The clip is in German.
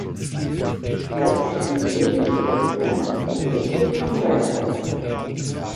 Weichs liegt nördlich der Donau und östlich von Reinhausen.